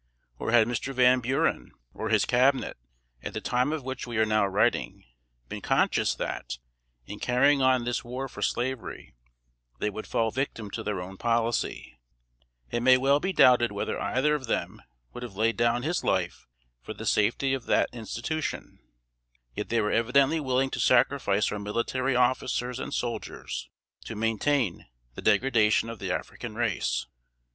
Or had Mr. Van Buren, or his Cabinet, at the time of which we are now writing, been conscious that, in carrying on this war for slavery, they would fall victims to their own policy, it may well be doubted whether either of them would have laid down his life for the safety of that institution; yet they were evidently willing to sacrifice our military officers and soldiers, to maintain the degradation of the African race.